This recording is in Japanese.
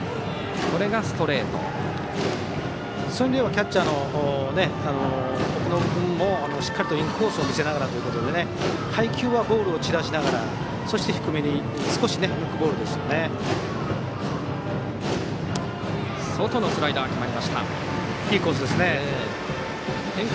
キャッチャーの奥信君もしっかりとインコースを見せながらということで配球は、ボールを散らしてそして低めに少し浮くボールで。